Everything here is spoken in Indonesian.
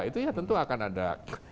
itu ya tentu akan ada